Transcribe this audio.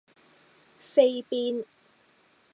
飛邊